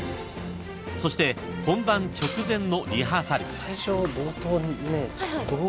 ［そして本番直前のリハーサル］